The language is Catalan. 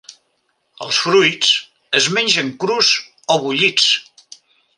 Els fruits es mengen crus o bullits.